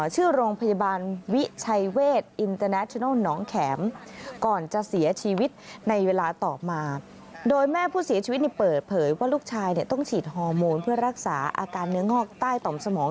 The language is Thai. ชื่อโรงพยาบาลวิชัยเวชอินเตอร์แนชนัลหนองแข็ม